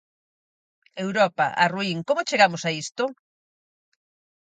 Europa, a ruín Como chegamos a isto?